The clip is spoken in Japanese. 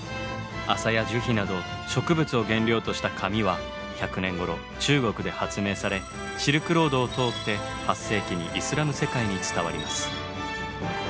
麻や樹皮など植物を原料とした紙は１００年ごろ中国で発明されシルクロードを通って８世紀にイスラム世界に伝わります。